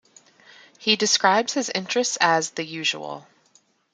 He described his interests as the "usual".